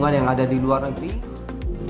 dan juga bagaimana dukungan yang ada di luar negeri